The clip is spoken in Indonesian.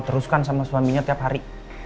teruskan sama suaminya tiap hari